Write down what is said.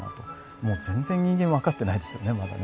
もう全然人間わかってないですよねまだね。